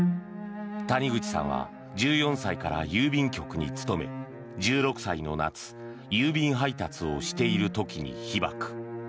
谷口さんは１４歳から郵便局に勤め１６歳の夏郵便配達をしている時に被爆。